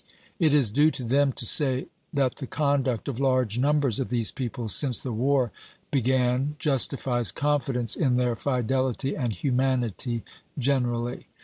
It is due to them to say that the conduct of large numbers of these people since ^^^^ the war began justifies confidence in then fidelity du^°Me" and humanity generally."